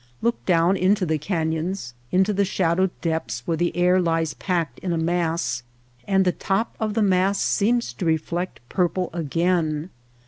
Look down into the canyons, into the shadowed depths where the air lies packed in a mass, and the top of the mass seems to reflect purple again.